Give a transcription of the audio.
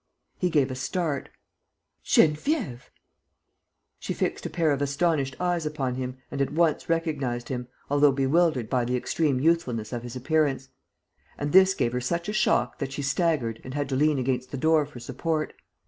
He gave a start: "Geneviève!" She fixed a pair of astonished eyes upon him and at once recognized him, although bewildered by the extreme youthfulness of his appearance; and this gave her such a shock that she staggered and had to lean against the door for support.